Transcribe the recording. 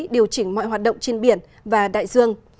điều chỉnh mọi hoạt động trên biển và đại dương